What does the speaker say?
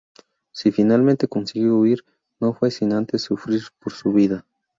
Si finalmente consiguió huir, no fue sin antes sufrir por su vida.